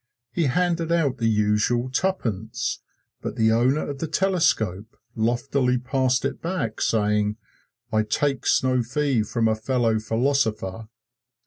He handed out the usual tuppence, but the owner of the telescope loftily passed it back saying, "I takes no fee from a fellow philosopher!"